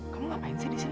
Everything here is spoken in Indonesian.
kamu ngapain sih disini